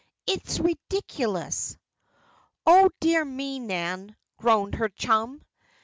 It's ridiculous!" "Oh, dear me, Nan!" groaned her chum.